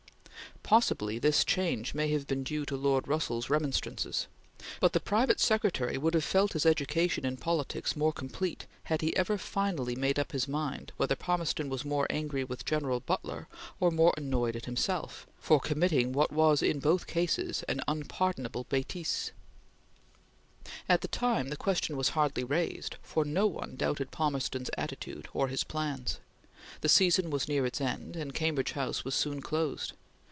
Possibly this change may have been due to Lord Russell's remonstrances, but the private secretary would have felt his education in politics more complete had he ever finally made up his mind whether Palmerston was more angry with General Butler, or more annoyed at himself, for committing what was in both cases an unpardonable betise. At the time, the question was hardly raised, for no one doubted Palmerston's attitude or his plans. The season was near its end, and Cambridge House was soon closed.